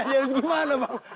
dan jadi gimana bang